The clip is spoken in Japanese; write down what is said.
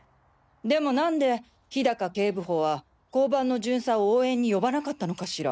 でもなんで氷高警部補は交番の巡査を応援に呼ばなかったのかしら？